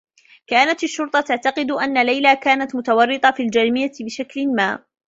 كانت الشّرطة تعتقد أن ليلى كانت متورّطة في الجريمة بشكل ما.